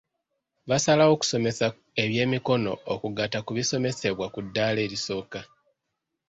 Basalawo okusomesa ebyemikono okugatta ku bisomesebwa ku ddala erisooka.